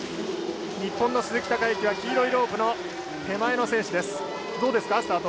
日本の鈴木孝幸は黄色いロープの手前の選手です。